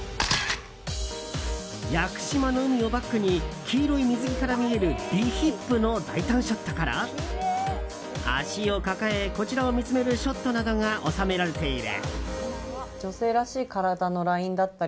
屋久島の海をバックに黄色い水着から見える美ヒップの大胆ショットから足を抱え、こちらを見つめるショットなどが収められている。